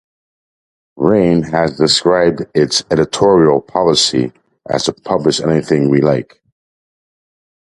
Raine has described its editorial policy as to publish anything we like.